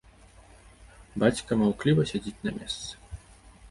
Бацька маўкліва сядзіць на месцы.